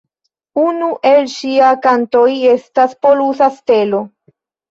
Unu el ŝia kantoj estas "Polusa Stelo".